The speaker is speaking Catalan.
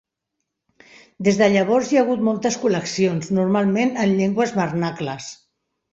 Des de llavors hi ha hagut moltes col·leccions, normalment en llengües vernacles.